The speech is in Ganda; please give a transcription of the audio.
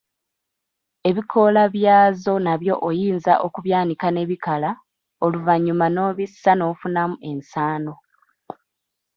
Ebikoola byazo nabyo oyinza okubyanika ne bikala, oluvannyuma n’obisa n’ofunamu ensaano.